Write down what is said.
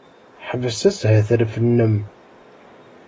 Ḥbes ashetref-nnem!